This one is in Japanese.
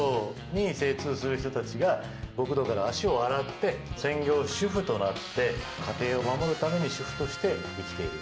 元極道に精通する人たちが極道から足を洗って専業主夫となって、家庭を守るために主夫として生きている。